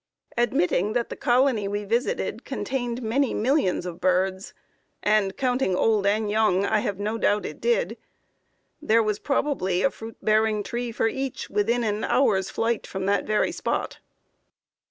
Admitting that the colony we visited contained many millions of birds, and, counting old and young, I have no doubt it did, there was probably a fruit bearing tree for each, within an hour's flight from that very spot!